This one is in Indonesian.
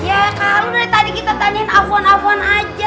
ya kalau dari tadi kita tanyain afuan afuan aja